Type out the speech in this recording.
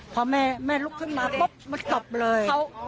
พอแม่ลุกขึ้นมาปุ๊บมันจบเลย